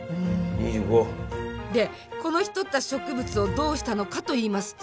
２５！でこの日採った植物をどうしたのかといいますと。